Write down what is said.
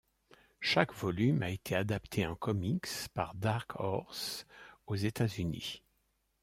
Chaque volume a été adapté en comics par Dark Horse aux États-Unis.